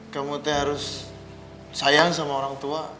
kemotnya harus sayang sama orang tua